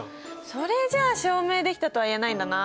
それじゃあ証明できたとは言えないんだな。